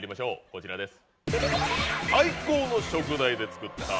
こちらです。